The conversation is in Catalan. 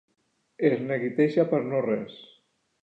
Es neguiteja per no res.